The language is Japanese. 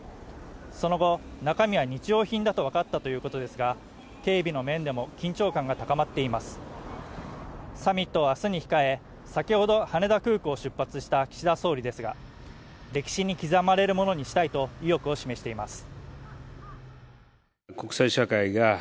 その後、中身は日用品だとわかったということですが、警備の面でも緊張感が高まっていますサミットを明日に控え、先ほど羽田空港を出発した岸田総理ですが、歴史に刻まれるものにしたいと意欲を示しています。